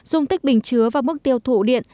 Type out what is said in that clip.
công tích bình chứa và mức tiêu thụ điện